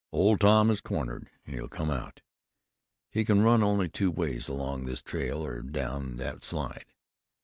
"Old Tom is cornered, and he'll come out. He can run only two ways: along this trail, or down that slide.